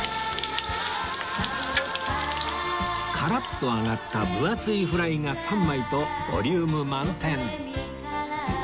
カラッと揚がった分厚いフライが３枚とボリューム満点